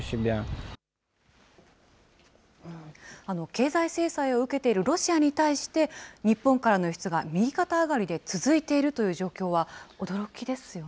経済制裁を受けているロシアに対して、日本からの輸出が右肩上がりで続いているという状況は驚きですよ